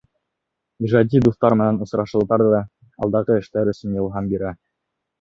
Ижади дуҫтары менән осрашыуҙар ҙа алдағы эштәр өсөн илһам бирә.